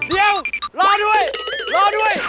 เดี๋ยวรอด้วยรอด้วย